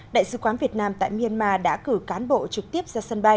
đại sứ quán việt nam tại myanmar đã cử cán bộ trực tiếp ra sân bay